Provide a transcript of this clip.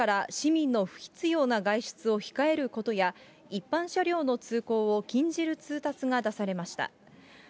市では、１０日夜から市民の不必要な外出を控えることや、一般車両の通行を禁じる通達が出されました。